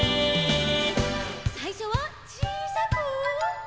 さいしょはちいさく。